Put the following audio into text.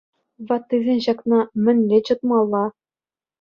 Ваттисен ҫакна мӗнле чӑтмалла?